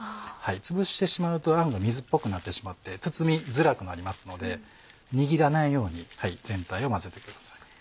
つぶしてしまうとあんが水っぽくなってしまって包みづらくなりますので握らないように全体を混ぜてください。